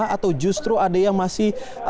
atau justru ada yang masih